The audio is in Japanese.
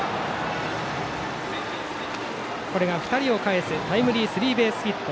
これが２人をかえすタイムリースリーベースヒット。